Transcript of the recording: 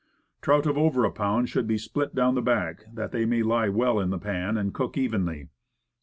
Trout of over a pound should be split down the back, that they may be well in the pan, and cook evenly.